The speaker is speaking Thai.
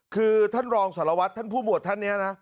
คือท่านรองสารวัตรท่านผู้หวดท่านนี้นะ